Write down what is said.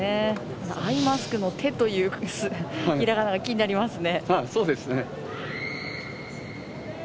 アイマスクの「て」というひらがなが気になりますね。